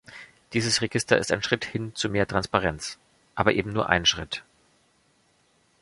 Dieses Register ist ein Schritt hin zu mehr Transparenz, aber eben nur ein Schritt.